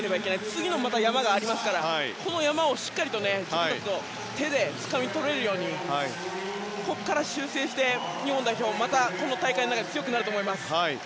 次の山がありますからこの山をしっかりと自分たちの手でつかみ取れるようにここから修正して日本代表はまたこの大会で強くなると思います。